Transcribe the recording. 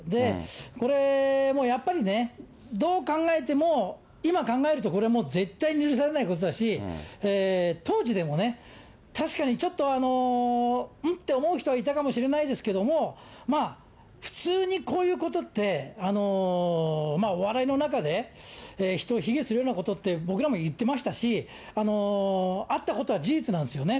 これもう、やっぱりね、どう考えても、今考えるとこれもう、絶対に許されないことだし、当時でもね、確かにちょっと、ん？って思う人はいたかもしれないですけども、普通にこういうことって、お笑いの中で、人を卑下するようなことって、僕らも言ってましたし、あったことは事実なんですよね。